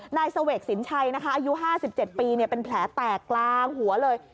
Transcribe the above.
นายเสวกสินชัยนะคะอายุ๕๗ปีเป็นแผลแตกกลางหัวเลย